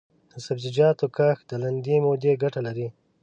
د سبزیجاتو کښت د لنډې مودې ګټه لري.